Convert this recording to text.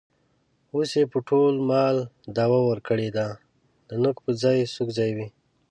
اوس یې په ټول مال دعوه ورکړې ده. د نوک په ځای سوک ځایوي.